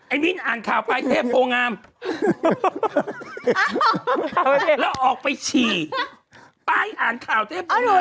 ไอ้นี่อ่านข่าวปลาเทพโพงงามแล้วออกไปฉี่ไปอ่านข่าวเทพโพงงาม